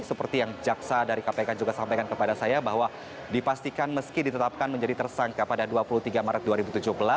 seperti yang jaksa dari kpk juga sampaikan kepada saya bahwa dipastikan meski ditetapkan menjadi tersangka pada dua puluh tiga maret dua ribu tujuh belas